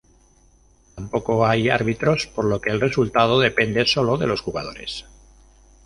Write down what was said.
Tampoco hay árbitros por lo que el resultado depende solo de los jugadores.